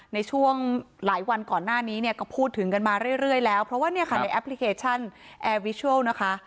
ในช่วงหลายวันก่อนหน้านี้เนี่ยก็พูดถึงกันมาเรื่อยแล้วเพราะว่าเนี่ยค่ะในแอปพลิเคชันแอร์วิชัลนะคะ